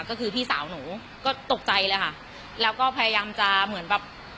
ก็คือพี่สาวหนูก็ตกใจเลยค่ะแล้วก็พยายามจะเหมือนแบบ